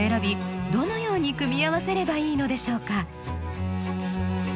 どのように組み合わせればいいのでしょうか？